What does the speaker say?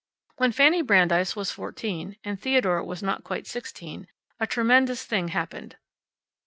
When Fanny Brandeis was fourteen, and Theodore was not quite sixteen, a tremendous thing happened.